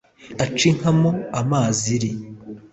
Aca inka mo amaziri,